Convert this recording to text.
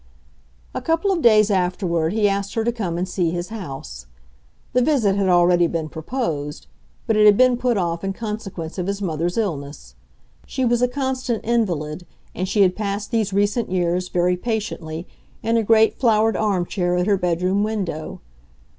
A couple of days afterward he asked her to come and see his house. The visit had already been proposed, but it had been put off in consequence of his mother's illness. She was a constant invalid, and she had passed these recent years, very patiently, in a great flowered arm chair at her bedroom window.